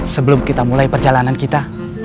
sebelum kita mulai perjalanan kita